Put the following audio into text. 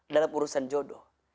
dalam urusan jodoh